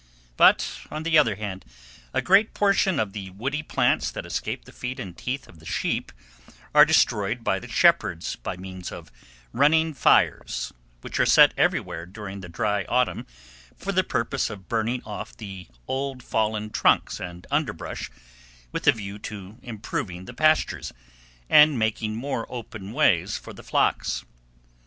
But, on the other hand, a great portion of the woody plants that escape the feet and teeth of the sheep are destroyed by the shepherds by means of running fires, which are set everywhere during the dry autumn for the purpose of burning off the old fallen trunks and underbrush, with a view to improving the pastures, and making more open ways for the flocks.